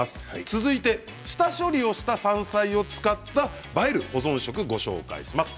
続いて下処理をした山菜を使った映える保存食ご紹介します。